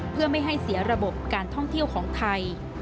เพื่อไม่ให้เสียระบบการท่องเที่ยวของไทย